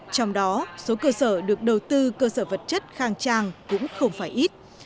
trong đó số cơ sở được đầu tư cơ sở vật chất khang trang cũng không phải ít